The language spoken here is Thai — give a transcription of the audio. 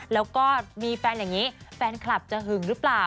แล้วก็มีแฟนอย่างนี้แฟนคลับจะหึงหรือเปล่า